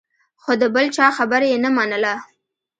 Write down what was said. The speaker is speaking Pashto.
خو د بل چا خبره یې نه منله.